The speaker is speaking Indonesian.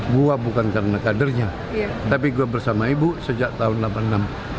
gue bukan karena kadernya tapi gue bersama ibu sejak tahun seribu sembilan ratus delapan puluh enam